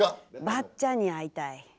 ばっちゃんに会いたい。